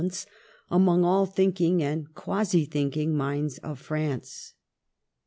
35 ence among all the thinking and quasi thinking minds of France.